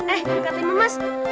eh kak timun mas